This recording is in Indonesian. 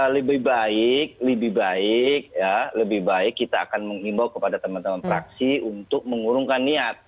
lebih baik lebih baik lebih baik kita akan mengimbau kepada teman teman praksi untuk mengurungkan niat